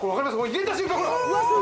入れた瞬間ほら！